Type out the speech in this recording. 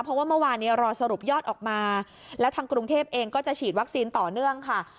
เพราะว่าเมื่อวานเนี่ยรอสรุปยอดออกมาแล้วทางกรุงเทพเองก็จะฉีดวัคซีนต่อเนื่องค่ะ